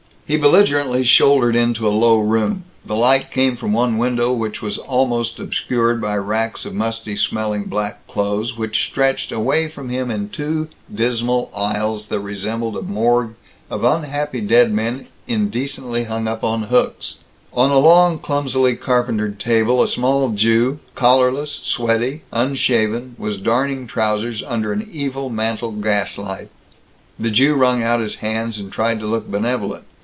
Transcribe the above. He belligerently shouldered into a low room. The light from the one window was almost obscured by racks of musty smelling black clothes which stretched away from him in two dismal aisles that resembled a morgue of unhappy dead men indecently hung up on hooks. On a long, clumsily carpentered table, a small Jew, collarless, sweaty, unshaven, was darning trousers under an evil mantle gaslight. The Jew wrung out his hands and tried to look benevolent.